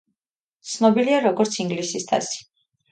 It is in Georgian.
ცნობილია როგორც ინგლისის თასი.